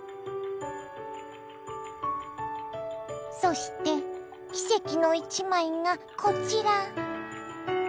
そして奇跡の一枚がこちら。